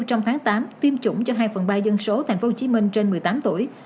trong tháng tám tiêm chủng cho hai phần ba dân số tp hcm trên một mươi tám tuổi